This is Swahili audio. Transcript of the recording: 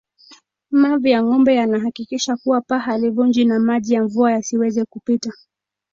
Mavi ya ngombe yanahakikisha kuwa paa halivuji na maji ya mvua yasiweze kupita